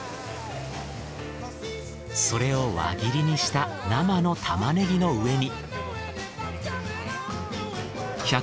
それを輪切りにした生の玉ねぎの上に。